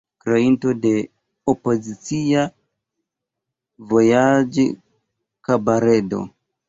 Kreinto de opozicia vojaĝ-kabaredo.